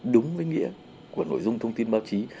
đúng với nghĩa của nội dung thông tin báo chí